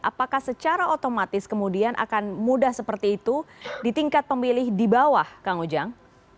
apakah secara otomatis kemudian akan mudah seperti itu di tingkat pemilih di bawah kang ujang